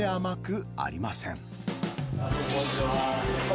こんにちは。